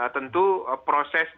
tentu proses di